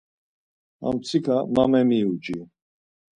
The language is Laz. Ha mtsika ma memiuci.